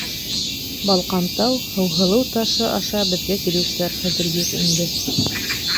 Балҡантау, Һыуһылыу ташы аша беҙгә килеүселәр хәҙер юҡ инде.